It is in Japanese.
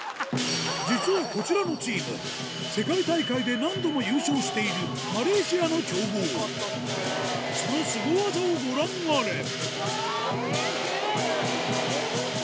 実はこちらのチーム世界大会で何度も優勝しているマレーシアの強豪そのスゴ技をご覧あれスゲェ！